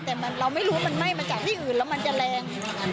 แต่เราไม่รู้ว่ามันไหม้มาจากที่อื่นแล้วมันจะแรง